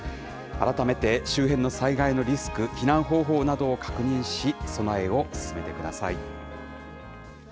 改めて周辺の災害のリスク、避難方法などを確認し、備えを進めてください。